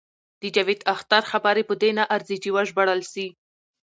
د جاوید اختر خبرې په دې نه ارزي چې وژباړل شي.